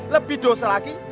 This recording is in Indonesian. lebih dosa lagi